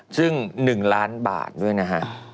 ซึ่ง๑ล้านบาทด้วยนะฮะ